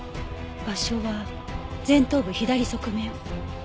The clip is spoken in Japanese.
場所は前頭部左側面。